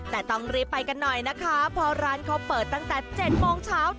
แต่ต้องรีบไปกันหน่อยนะคะเพราะร้านเขาเปิดตั้งแต่๗โมงเช้า